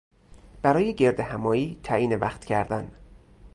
برای گردهمایی تعیین وقت کردن